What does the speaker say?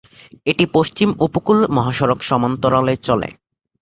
এটি পশ্চিম উপকূল মহাসড়ক সমান্তরালে চলে।